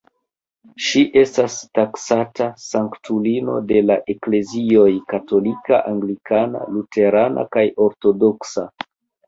Ŝi estas taksata sanktulino de la eklezioj katolika, anglikana, luterana kaj ortodoksa.